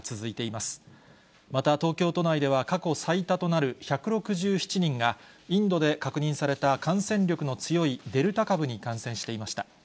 また東京都内では、過去最多となる１６７人が、インドで確認された感染力の強いデルタ株に感染していました。